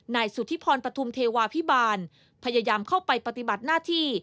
นายสุธิพรปฐุมเทวาพิบาลพยายามเข้าไปปฏิบัติหน้าที่